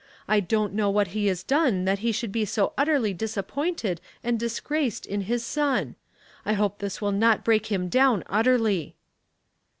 I don't know what he has done that he should be so utterly disappointed and disgraced in his son. I hope this will not break him down utterly."